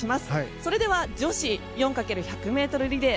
それでは女子４×１００ｍリレー